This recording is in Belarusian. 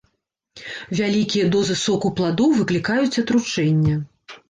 Вялікія дозы соку пладоў выклікаюць атручэнне.